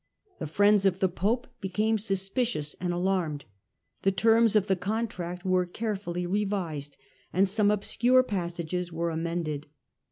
The friends of the pope became suspicious and alarmed ; the terms of the con tract were carefully revised, and some obscure passages were amended.